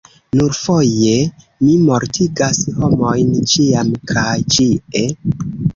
"Nur foje? Mi mortigas homojn ĉiam kaj ĉie."